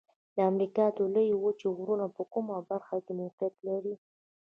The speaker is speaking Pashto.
د امریکا د لویې وچې غرونه په کومه برخه کې موقعیت لري؟